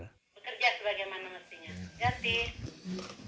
bekerja sebagaimana mestinya